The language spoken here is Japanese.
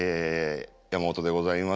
山本でございます。